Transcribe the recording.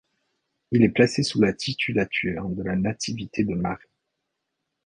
Il est placé sous la titulature de la Nativité de Marie.